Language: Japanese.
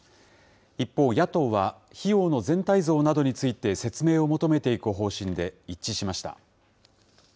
一方、野党は費用の全体像などについて説明を求めていく方針で一致しました。